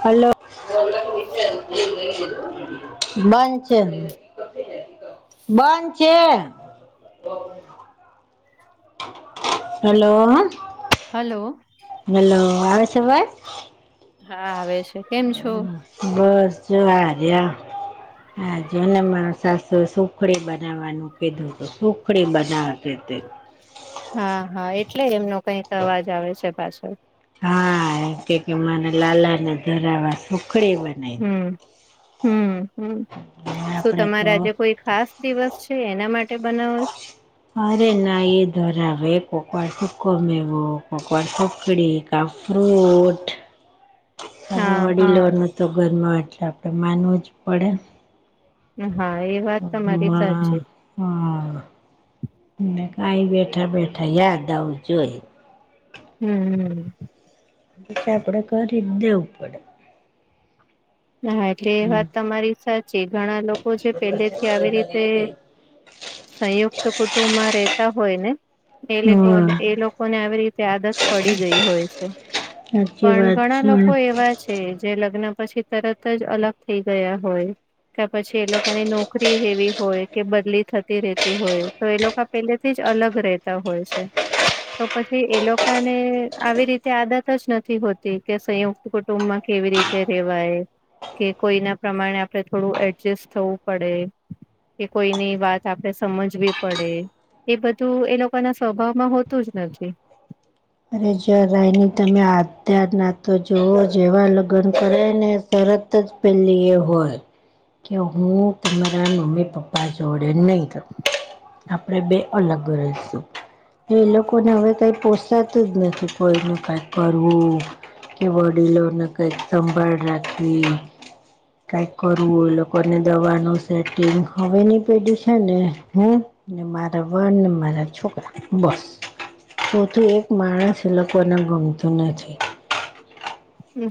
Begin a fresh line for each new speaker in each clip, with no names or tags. Hello [unintelligible] બાં છેન બંધ છે. હેલો
હલો
હલો આવે છે અવાજ
હા, આવે છે કેમ છો
બસ જો આર્યા હા જોને સાસુ સુખડી બનાવવાનું કીધું હતું સુખડી બનાવ તી તી
હા હા એટલે એમનો કઈક અવાજ આવે છે, પાછળ
હા, કે કે મને લાલાને ધરાવા સુખડી બને
હમ્મ હમ્મ હમ્મ
દે
શું
આપડે
તમારે
તો
આજે કોઈ ખાસ દિવસ છે, એના માટે બનાવો છો
અરે ના એ ધરાવે કોકવાર સુકો મેવો કોકવાર સુકડી કા ફ્રૂટ હવે
હા હા
વડીલોનું તો ઘરમાં એટલે આપડે માનવું જ પડે
હા એ વાત તમારી સાચી.
માં હા કાઈ બેઠા બેઠા યાદ આવું જોઈ
હમ્મ હમ્મ
ઈતો આપણેે કરી જ દેવું પડે.
ના એટલે એ
હમ
વાત તમારી સાચી ઘણા લોકો છે, પહેલેથી આવી રીતે સંયુક્ત કુટુંબમાં રહેતા હોય ને એ લોકો એ લોકોને આવી રીતે આદત પડી ગઈ હોય છે.
સાચી
પણ
વાત
ઘણા
છે
લોકો એવા છે જે લગ્ન પછી તરત જ અલગ થઈ ગયા હોય. તો પછી એ લોકોની નોકરી એવી હોય કે બદલી થતી રતી હોય. તો એ લોકો પેલેથી જ અલગ રહેતા હોય છે. તો પછી એ લોકો ને આવી રીતે આદત જ નથી હોતી કે સંયુક્ત કુટુંબ માં કેવી રીતે રેવાય કે કોઈના પ્રમાણે આપડણે થોડું એડજસ્ટ થવું પડે કે કોઈની વાત આપડણે સમજવી પડે એ બધું એ લોકો ના સ્વભાવમાં હોતું જ નથી.
અરે જાર રાયની તમે અત્યાર ના તો જુવો જેવા લગ્ન કરે ને તરત જ પેલી એ હોય. કે હું તમરા મમી પપ્પા જોડ નઈ રવ. આપણેે બે અલગ રહીશું એ લોકોને હવે કઈ પો સાતું જ નથી કોઈ ન કંઈ કરવું કે વડીલોને કઈક સંભાળ રાખવી કઈક કરવું એ લોકોને દવાનું સેટિંગ હવે ની પેઢી છે ને હ મારા વન ને મારા છોકરા બસ ચો થું એક માણસ એ લોકોને ગમતું નથી.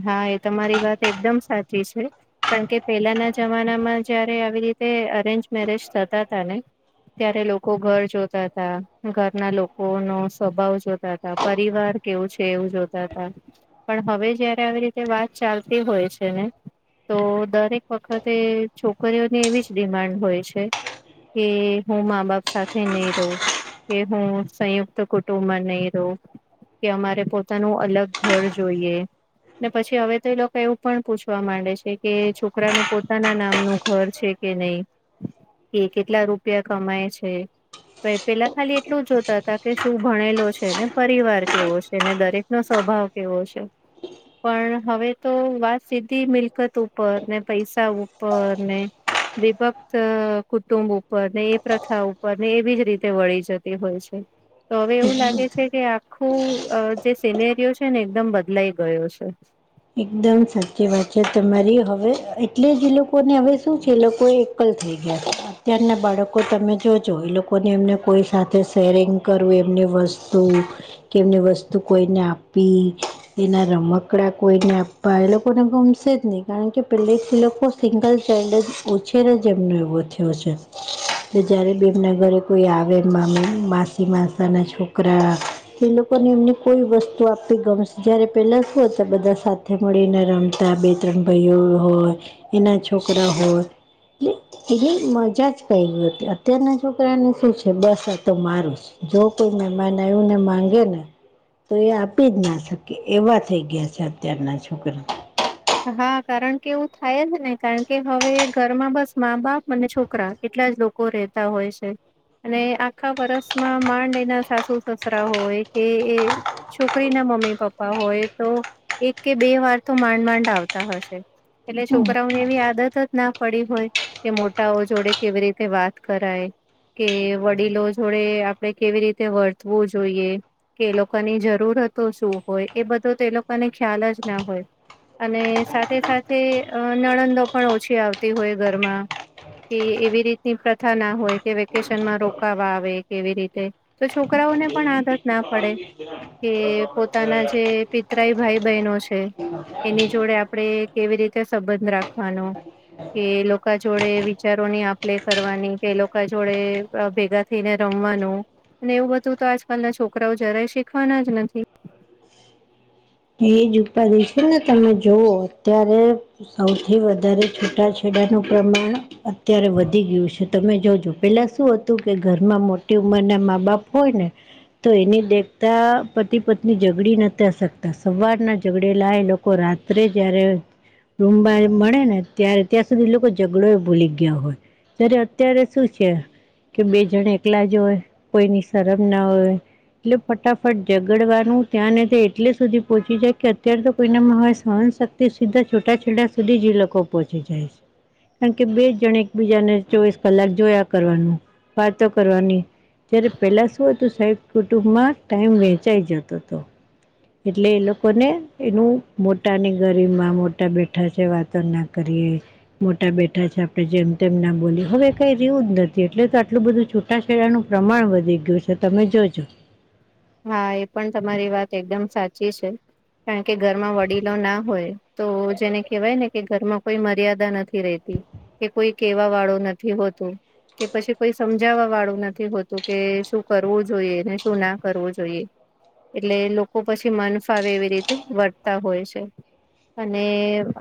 હા એ તમારી વાત એકદમ સાચી છે. કારણ કે પેલાના જમાનામાં જયારે આવી રીતે અરેન્જ મેરેજ થતા હતા ને ત્યારે લોકો ઘર જોતા હતાા ઘરના લોકો નો સ્વભાવ જોતા હતા. પરિવાર કેવું છે એવું જોતા હતા પણ હવે જારે આવી રીતે વાત ચાલતી હોય છે ને તો દરેક વખતે છોકરીઓની એવી જ ડિમાન્ડ હોય છે કે હું મા બાપ સાથે નહી રહું કે હું સંયુક્ત કુટુંબમાં નહી રહઉ કે અમારે પોતાનું અલગ ઘર જોઈએ ને પછી હવે તો એ લોકો એવું પણ પૂછવા માંડે છે. કે છોકરાનું પોતાના નામનું ઘર છે. કે નહીં કે કેટલા રૂપિયા કમાય છે. પેલા ખાલી એટલું જોતા હતા કે શું ભણેલો છે. ને પરિવાર કેવો છે. ને દરેક નો સ્વભાવ કેવો છે. પણ હવે તો વાત સીધી મિલકત ઉપર ને પૈસા ઉપર ને વિભક્ત કુટુંબ ઉપર ને એ પ્રથા ઉપર ને એવી જ રીતે વળી જતી હોય છે. તો હવે એવું લાગે છે. કે આખું જે સિનેરીયો છે. ને એકદમ બદલાઈ ગયો છે. હા
એકદમ સાચી વાત છે. તમારી હવે એટલે જ એ લોકોને હવે શું છે. એ લોકો લ થઈ ગયા અત્યારના બાળકો તમે જોજો એ લોકોને એમને કોઈ સાથે શેરિંગ કરવું એમની વસ્તુ કેમની વસ્તુ કોઈને આપી એના રમકડા કોઈને આપવા એ લોકોને ગમશે જ નહી કારણ કે પેલેથી લોકો સિંગલ ચડ ઉછેર જ એમનો એવો થયો છે. જયારે બે એમના ઘરે કોઈ આવે મામ માસી માસા ના છોકરા એ લોકોને એમને કોઈ વસ્તુ આપવી ગમશે જયારે પેલા શું બધા સાથે મળીને રમતા બે ત્રણ ભાઈઓ હોય એના છોકરા હોય એટલે એટલે મજા જ કહી ગયઈ હતી અત્યારના છોકરાને શું છે. બસ તો મારું જો કોઈ મહેમાનયું ને માંગે ને તો એ આપી જ ના શકે એવા થઈ ગયા છે. અત્યારના છોકરા
હા કારણ કે એવું થાય જ ને કારણ કે હવે ઘરમાં બસ મા બાપ અને છોકરા કેટલા જ લોકો રહેતા હોય છે. અને આખા વર્ષમાં માં એના સાસુ સસરા હોય કે એ- છોકરી ના મમ્મી પપ્પા હોય તો એક કે બે વાર તો માંડ માંડ આવતા હશે એટલે
હમ
છોકરાઓને એવી આદત જ ના પડી હોય કે મોટાઓ જોડે કેવી રીતે વાત કરાય કે વડીલો જોડે આપણે કેવી રીતે વર્તવું જોઈએ કે એ લોકોની જરૂરતો શું હોય એ બધો તો એ લોકોને ખ્યાલ જ ના હોય અને સાથે સાથે અ નણંદો પણ ઓછી આવતી હોય ઘરમાં. તે એવી રીતની પ્રથા ના હોય, કે વેકેશન માં રોકાવા આવે કેવી રીતે. તો છોકરાઓને પણ આદત ના પડે. કે પોતાના જે પિતરાઈ ભાઈ બહેનો છે. એની જોડે આપડે કેવી રીતે સંબંધ રાખવાનો. કે લોકા જોડે વિચારોની આપલે કરવાની, તે લોકા જોડે અ ભેગા થઈને રમવાનું, અને એવું બધુંતો આજકાલ ના છોકરાઓ જરાય શીખવાના જ નથી.
એજ ઉપાધી છેને, તમે જોવો અત્યારે સૌથી વધારે છૂટાછેડાનું પ્રમાણ અત્યારે વધી ગયું છે, તમે જોજો, પેલા શું હતું, કે ઘરમાં મોટી ઉંમરના મા બાપ હોય ને તો એની દેખતા પતિ પત્ની ઝઘડી નતા શક તા, સવારના ઝગડેલા એ લોકો રાત્રે જ્યારે રૂમ મા એ મળે ને, ત્યાર ત્યાં સુધી એ લોકો ઝઘડો એ ભૂલી ગયા હોય. જ્યારે અત્યારે શું છે. કે બે જણ એકલાજ હોય, કોઈની શરમ ના હોય. એટલે ફટાફટ ઝગડવાનું, ત્યાં ને તે એટલેસ સુધી પહોંચી જાય, કે અત્યારેતો કોઈનામાં હવે સહન શક્તિ સીધા છોટાછેડા સુધીજ એ લોકો પહોંચી જાય છે. કારણકે બેજ જણે એકબીજાને ચોવીસ કલાક જોયા કરવાનું, વાતો કરવાની. જ્યારે પહેલાં શું હતું સાહેબ, કુટુંબમાં ટાઇમ વહેંચાઈ જતો હતો. એટલે એ લોકોને, એનું મોટાની ગરીમાં, મોટા બેઠા છે વાતો ના કરીએ. મોટા બેઠા છે આપડે જેમ તેમ ના બોલીયે, હવે કઈ રિયુજ નથી, એટલે તો આટલું બધું છુ ટાછેડાનું પ્રમાણ વધી ગયું છે, તમે જોજો.
હા, એ પણ તમારી વાત એકદમ સાચી છે. કારણ કે ઘરમાં વડીલો ના હોય, તો જેને કહેવાય ને કે ઘરમાં કોઈ મર્યાદા નથી રહેતી, કે કોઈ કેવા વાળો નથી હોતું. કે પછી કોઈ સમજાવવા વાળું નથી હોતું, કે શું કરવું જોઈએ, ને શું ના કરવું જોઈએ, એટલે લોકો પછી મન ફાવે એવી રીતે વર્તા હોય છે. અને,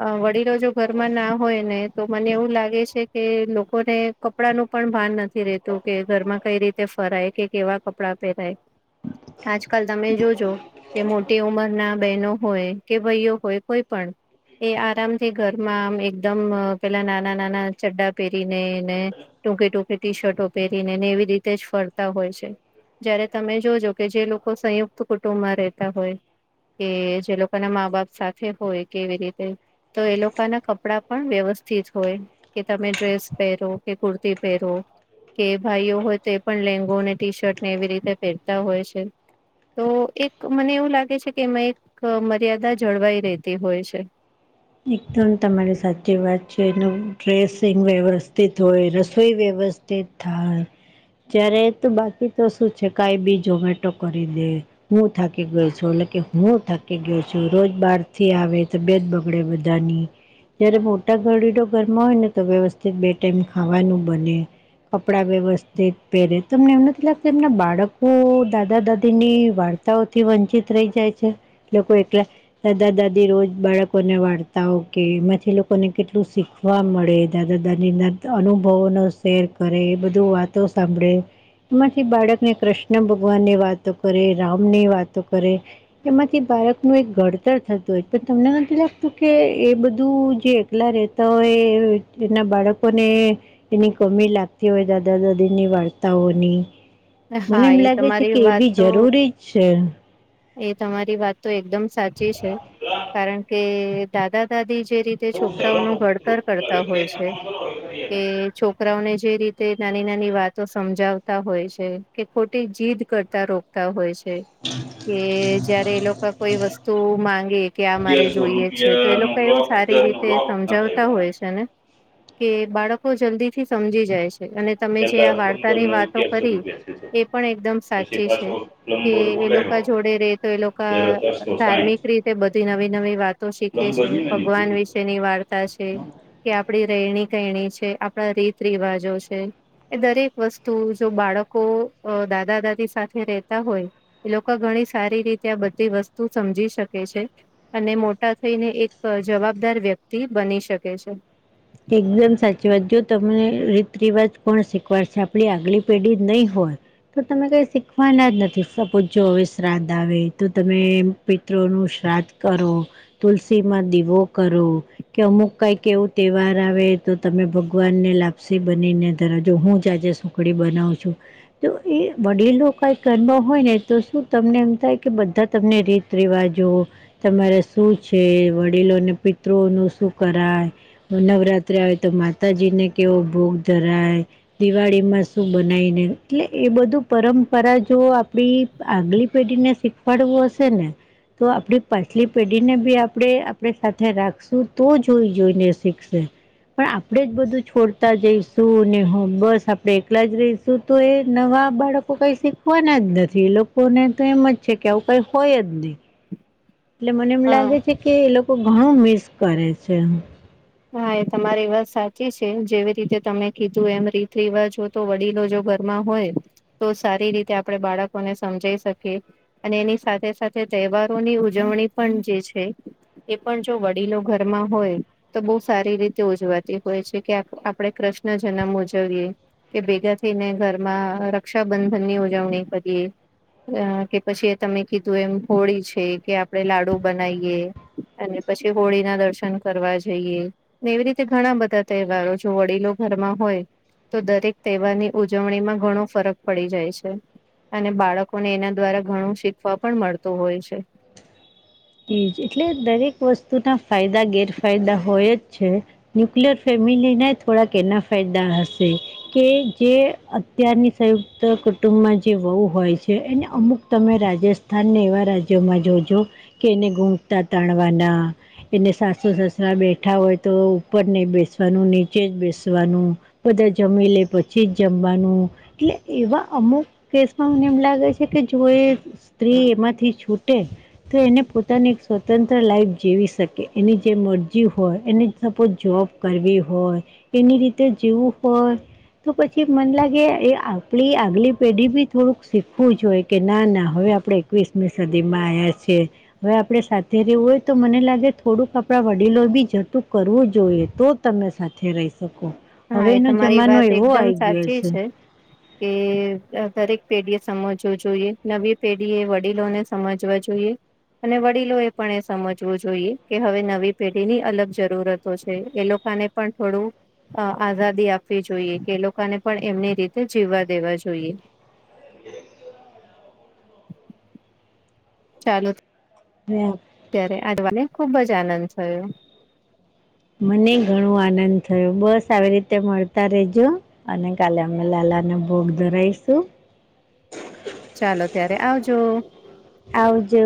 અ વડીલો જો ઘરમાં ના હોયને, તો મને એવું લાગે છે કે લોકોને કપડાનું પણ ભાન નથી રેતું, કે ઘરમાં કઈ રીતે ફરાય, કે કેવ કપડા પહેરાય, આજકાલ તમે જોજો કે મોટી ઉંમરના બહેનો હોય, કે ભાઈઓ હોય, કોઈ પણ એ આરામથી ઘરમાં આમ એકદમ, અ પેલા નાના નાના ચડ્ડા પહેરીને, ને ટૂંકી ટૂંકી ટી શર્ટો પહેરીને, ને એવી રીતે જ ફરતા હોય છે, જયારે તમે જોજો કે જે લોકો સંયુક્ત કુટુંબમાં રહેતા હોય. કે જે લોકોના મા બાપ સાથે હોય, કેવી રીતે તો એ લોકોના કપડા પણ વ્યવસ્થિત હોય. કે તમે ડ્રેસ પહેરો, કે કુર્તી પહેરો. કે ભાઈઓ હોયતો, એ પણ લેંગો અને ટી શર્ટને એવી રીતે પહેરતા હોય છે. તો, એક મને એવું લાગે છે કે, એમાં એક મર્યાદા જળવાઈ રહેતી હોય છે.
એકદમ તમારી સાચી વાત છે, એનું ડ્રેસિંગ વ્યવસ્થિત હોય, રસોઈ વ્યવ તી થાય, જ્યારે તો બાકી તો શું છે કાઈ બી ઝોમેટો કરી દે. હું થાકી ગઈ છું, ઓલો કે હું થાકી ગયો છું, રોજ બાર થી આવે, તબિયત બ ગડે બધાની. જયારે મોટા વડીલો ઘરમાં હોયને, તો વ્યવસ્થિત બે ટાઈમ ખાવાનું બને. કપડા વ્યવસ્થિત પહેરે, તમને એમ નથી લાગતું એમના બાળકો દાદા દાદીની વાર્ત ર્તા ઓ થી વંચિત રહી જાય છે, એ લોકો એકલા દાદા દાદી રોજ બાળકો લોકોને વાર્તાઓ કે, એમાંથી એ લોકોને કેટલું શીખવા મળે, દાદા દાદી ના તો અનુભવોનો શેર કરે, એ બધું વાતો સાંભળે. એમાંથી બાળકને કૃષ્ણ ભગવાન ની વાતો કરે, રામ ની વાતો કરે. એમાંથી બાળકનું એક ઘડતર થતું હોય, તો તમને નથી લાગ તો કે એ બધું જે એકલા રહેતા હોય એના બાળકોને એની કમી લાગતી હોય દાદા દાદીની વાર્તાઓની. મને
હા
એમ
એ
લાગે છે
તમારી
કે એ
વાત
બી
તો
જરૂરી જ છે.
એ તમારી વાત તો એકદમ સાચી છે કારણ કે દાદા દાદી જે રીતે છોકરાઓનું ઘડતર કરતા હોય છે કે છોકરાઓને જે રીતે નાની નાની વાતો સમજાવતા હોય છે. કે ખોટી જીદ કરતા રોકતા હોય છે.
[inaudible]
કે જયારે એ લોકો કોઈ વસ્તુ માંગે કે આ મારે જોઈએ છે તો એ લોકો એવું સારી રીતે સમજાવતા હોય છે ને કે બાળકો જલ્દી થી સમજી જાય છે અને તમે જે આ વાર્તા ની વાતો કરી એ પણ એકદમ સાચી છે કે એ લોકો જોડે રે તો એ લોકા ધાર્મિક રીતે બધી નવી નવી વાતો શીખે છે ભગવાન વિશે ની વાર્તા છે કે આપણી રહેણી કરણી છે આપણા રીત રિવાજો છે એ દરેક વસ્તુ જો બાળકો દાદા દાદી સાથે રહેેતા હોય એ લોકો ઘણી સારી રીતે આ બધી વસ્તુ સમજી શકે છે. અને મોટા થઈને એક જવાબદાર વ્યક્તિ બની શકે છે.
એકદમ સાચી વાત જો તમને રીત રિવાજ કોણ શીખવાડશે આપણી આગલી પેઢી નહી હોય તો તમે કઈ શીખવાના જ નથી સપૂજો હવે શ્રાદ્ધ આવે તો તમે પિતૃ ઓનું શ્રાદ્ધ કરો તુલસી માં દીવો કરો કે અમુક કઈક એવું તહેવાર આવે તો તમે ભગવાનને લાપસી બનીને ધરાવજો હું જ આજે સુખડી બનાવું છું તો એ વડીલો કઈ કરવા હોય ને તો શું તમને એમ થાય કે બધા તમને રીત રિવાજો તમારે શું છે વડીલોને પિતૃ ઓનું શું કરાય નવરાત્રિ આવે તો માતાજીને કેવો ભોગ ધરાય દિવાળીમાં શું બનાઈને એટલે એ બધું પરંપરા જો આપડી આગલી પેઢી ને શીખવાડવું હશે ને તો આપડી પાછલી પેઢીને બી આપણે આપણે સાથે રાખશું તો જોઈ જોઈને શી ખશે પણ આપણેે જ બધું છોડતા જઈશું ને હ બસ આપણે એકલા જ રહીશું તો એ નવા બાળકો કઈ શીખવાના જ નથી એલોકોને તો એમ જ છે કે આવું કઈ હોય જ નહી. એટલે મને એમ
અ
લાગે છે કે એ લોકો ઘણું મિસ કરે છે.
હા એ તમારી વાત સાચી છે જેવી રીતે તમે કીધું એમ રીત રિવાજો તો વડીલો જો ઘરમાં હોય તો સારી રીતે આપણે બાળકોને સમજાઈ શકીએ. અને એની સાથે સાથે તહેવારોની ઉજવણી પણ જે છે એ પણ જો વડીલો ઘરમાં હોય તો બહુ સારી રીતે ઉજવાતી હોય છે કે આપણે કૃષ્ણ જન્મ ઉજવીએ. કે ભેગા થઈને ઘરમાં રક્ષાબંધન ની ઉજવણી કરીએ. કે પછી એ તમે કીધું એમ હોળી છે કે આપણે લાડુ બનાઈએ અને પછી હોળી ના દર્શન કરવા જઈએ ને એવી રીતે ઘણા બધા તહેવારો જો વડીલો ઘરમાં હોય તો દરેક તહેવારની ઉજવણીમાં ઘણો ફરક પડી જાય છે. અને બાળકોને એના દ્વારા ઘણું શીખવા પણ મળતું હોય છે.
એજ એટલે દરેક વસ્તુના ફાયદા ગેરફાયદા હોય જ છે. ન્યુક્લિયર ફેમિલી ને થોડાક એના ફાયદા હશે. કે જે અત્યારની સંયુક્ત કુટુંબમાં જે વહુ હોય છે એને અમુક તમે રાજસ્ થાન ને એવા રાજ્યોમાં જોજો કે એને ગૂઘતા તાણવાના એને સાસુ સસરા બેઠા હોય તો ઉપર નય બેસવાનું નીચે જ બેસવાનું. બધા જમી લે પછી જ જમવાનું. એટલે એવા અમુક કેસમાં મને એમ લાગે છે કે જો એ સ્ત્રી એમાંથી છૂટે તો એને પોતાની એક સ્વતંત્ર લાઈફ જીવી શકે એની જે મરજી હોય એને સપોઝ જોબ, કરવી હોય એની રીતે જેવું હોય, તો પછી મને લાગે એ આપણી આગલી પેઢી બી થોડુંક શીખવું જોઈએ કે ના ના હવે આપણે, એકવીસમીસદીમા આવ્યા છે. હવે આપણે સાથે રહીએ તો મને લાગે થોડુંક આપણા વડીલો બી જતું કરવું જોઈએ તો, તમે સાથે રહી શકો
હા
હવે
એ
એનો
તમારી
જમાનો
વાત
એવો
એકદમ
આવી ગયો
સાચી
છે,
કે... દરેક પેઢીએ સમજવું જોઈએ નવી પેઢી એ વડીલોને સમજવા જોઈએ, અને વડીલો એ પણ એ સમજવું જોઈએ કે હવે નવી પેઢી ની અલગ જરૂરતો છે એ લોકોને, પણ થોડું, અ આઝાદી આપવી જોઈએ કે લોકોને પણ એમની રીતે જીવવા દેવા જોઈએ. ચાલો.
હા.
અત્યારે આજવાને ખુબ જ આનંદ થયો.
મને ઘણો આનંદ થયો બસ આવી રીતે મળતા રેજો. અને કાલે અમે લાલાને ભોગ ધરાઈશું,
ચાલો ત્યારે આવજો.
આવજો.